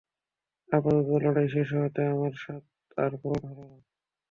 আপাতত লড়াই শেষ হওয়াতে আমার সাধ আর পূরণ হল না।